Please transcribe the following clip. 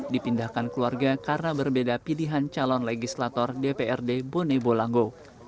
dipindahkan keluarga karena berbeda pilihan calon legislator dprd bone bolango